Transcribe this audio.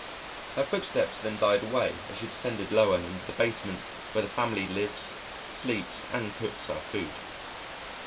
Her footsteps then died away as she descended lower into the basement, where the family lives, sleeps, and cooks our food.